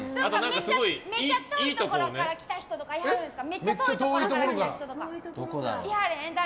めっちゃ遠いところから来た人とかいはるんですか？